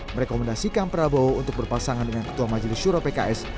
merekomendasikan prabowo untuk berpasangan dengan ketua majelis syuro pks